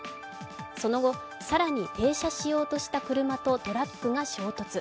その後、更に停車しようとした車とトラックが衝突。